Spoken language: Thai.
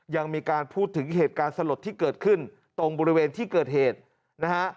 ยังมีการพูดถึงเหตุการณ์สลดที่เกิดขึ้นตรงบริเวณที่เกิดเหตุนะฮะ